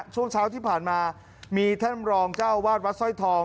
ช่วงเช้าที่ผ่านมามีท่านรองเจ้าวาดวัดสร้อยทอง